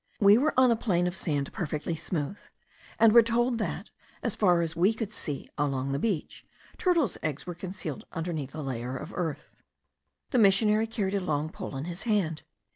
We were on a plain of sand perfectly smooth; and were told that, as far as we could see along the beach, turtles' eggs were concealed under a layer of earth. The missionary carried a long pole in his hand.